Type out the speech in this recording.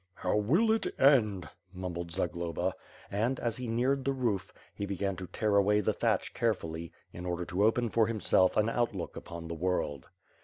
"How will it end ?" mumbled Zagloba and, as he neared the roof, he began to tear away the thatch carefully, in order to open for himself an outlook upon the world.